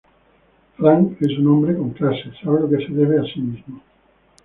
Franz es un hombre con clase, sabe lo que se debe a sí mismo.